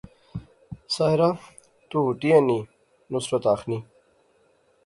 ساحرہ ، تو ہوٹی اینی، نصرت آخنی